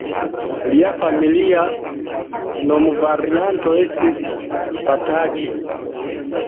Lia familia nomvarianto estis Pataki.